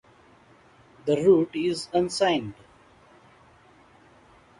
The route is unsigned.